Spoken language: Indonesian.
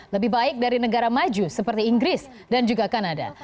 lebih baik dari negara maju seperti inggris dan juga kanada